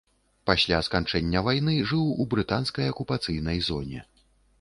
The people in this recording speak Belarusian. Пасля сканчэння вайны жыў у брытанскай акупацыйнай зоне.